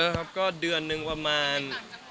ครับก็เดือนหนึ่งประมาณ